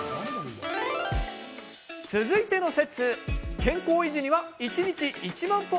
続いての説。